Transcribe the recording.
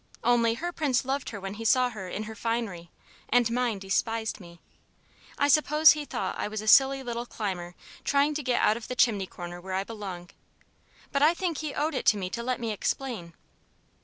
Only, her prince loved her when he saw her in her finery, and mine despised me. I suppose he thought I was a silly little 'climber' trying to get out of the chimney corner where I belong. But I think he owed it to me to let me explain."